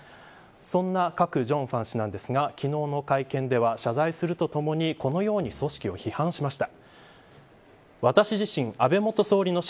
そんなカク・ジョンファン氏なんですが、昨日の会見では謝罪するとともにこのように組織を批判しました。